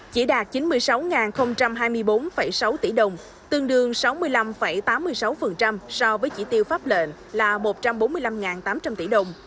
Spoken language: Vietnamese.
chỉ đạt chín mươi sáu hai mươi bốn sáu tỷ đồng tương đương sáu mươi năm tám mươi sáu so với chỉ tiêu pháp lệnh là một trăm bốn mươi năm tám trăm linh tỷ đồng